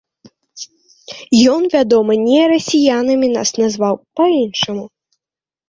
Ён, вядома, не расіянамі нас назваў, па-іншаму.